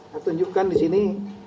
saya tunjukkan di sini